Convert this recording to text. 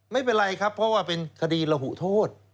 ไม่เป็นไรครับเพราะว่าเป็นคดีระหุโทษ